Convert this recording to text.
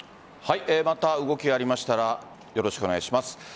また動きがありましたらよろしくお願いします。